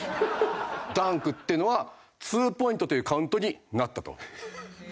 ダンクっていうのは２ポイントというカウントになったと。